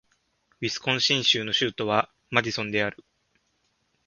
ウィスコンシン州の州都はマディソンである